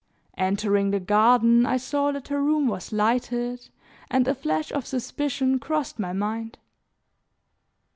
Entering the garden, I saw that her room was lighted and a flash of suspicion crossed my mind.